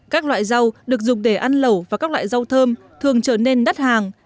các loại rau được dùng để ăn lẩu và các loại rau thơm thường trở nên đắt hàng